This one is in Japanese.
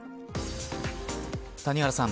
谷原さん